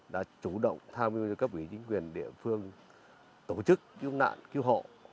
đã chủ động tham dự các quỹ chính quyền địa phương tổ chức cứu nạn cứu hộ